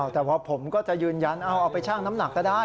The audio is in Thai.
แต่พอผมก็จะยืนยันเอาไปชั่งน้ำหนักก็ได้